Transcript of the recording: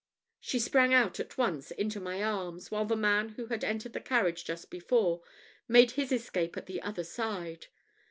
She sprang out at once into my arms, while the man who had entered the carriage just before, made his escape at the other side.